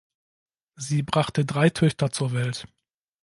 Sie brachte drei Töchter zur Welt.